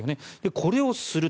これをすると。